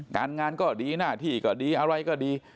การงานก็ดีหน้าที่ก็ดีอะไรอย่างน้อยก็ดี